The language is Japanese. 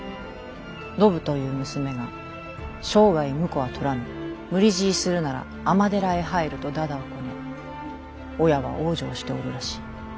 信という娘が生涯婿は取らぬ無理強いするなら尼寺へ入るとだだをこね親は往生しておるらしい。